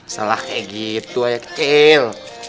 salah kayak gitu aja kecil